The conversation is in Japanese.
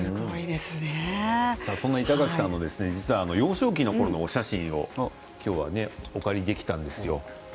板垣さんの幼少期のころのお写真をお借りできたんですよ。